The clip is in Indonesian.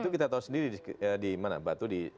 itu kita tahu sendiri di mana batu di